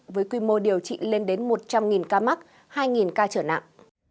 với quy mô điều trị lên đến một trăm linh ca mắc hai ca trở nặng